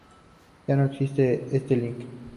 Ya no existe este Link